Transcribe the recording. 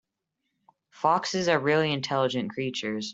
Foxes are really intelligent creatures.